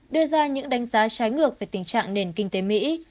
đưa ra những đánh giá trái ngược về tình trạng nền kinh tế mỹ